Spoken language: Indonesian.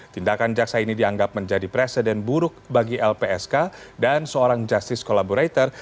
tindakan jaksa ini dianggap menjadi presiden buruk bagi lpsk dan seorang justice collaborator